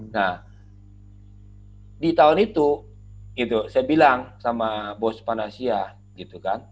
nah di tahun itu saya bilang sama bos panasya gitu kan